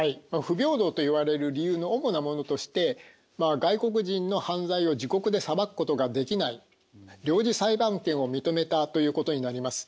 不平等といわれる理由の主なものとして外国人の犯罪を自国で裁くことができない領事裁判権を認めたということになります。